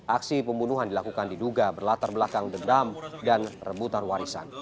aksi pembunuhan dilakukan diduga berlatar belakang dendam dan rebutan warisan